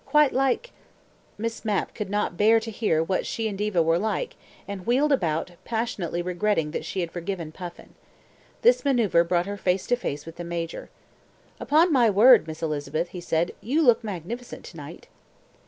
Quite like " Miss Mapp could not bear to hear what she and Diva were like, and wheeled about, passionately regretting that she had forgiven Puffin. This manoeuvre brought her face to face with the Major. "Upon my word, Miss Elizabeth," he said, "you look magnificent to night."